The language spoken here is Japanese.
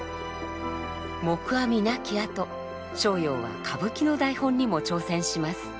黙阿弥亡き後逍遙は歌舞伎の台本にも挑戦します。